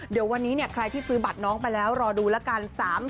เดี๋ยววันนี้ใครที่ซื้อบัตรน้องไปแล้วรอดูแล้วกัน